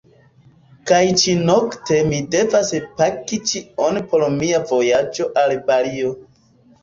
Kaj ĉi-nokte mi devas paki ĉion por mia vojaĝo al Balio.